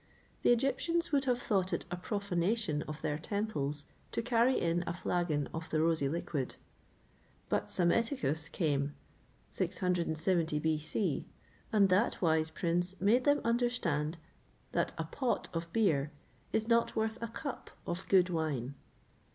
[XXVIII 19] The Egyptians would have thought it a profanation of their temples to carry in a flagon of the rosy liquid; but Psammetichus came (670 B.C.), and that wise prince made them understand that a pot of beer is not worth a cup of good wine.